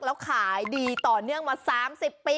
แล้วขายดีต่อเนื่องมา๓๐ปี